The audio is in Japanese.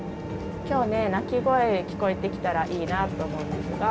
今日ね鳴き声聞こえてきたらいいなと思うんですが。